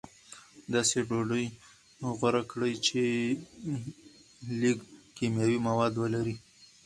داسې ډوډۍ غوره کړئ چې لږ کیمیاوي مواد ولري.